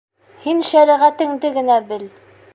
Һин шәриғәтеңде генә бел.